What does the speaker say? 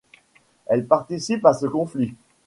Elle participe à ce conflit.